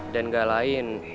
dan gak lain